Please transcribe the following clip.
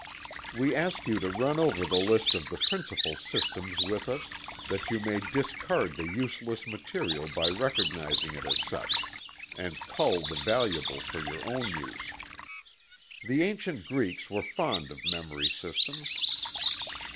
We ask you to run over the list of the principal "systems" with us, that you may discard the useless material by recognizing it as such; and cull the valuable for your own use. The ancient Greeks were fond of memory systems.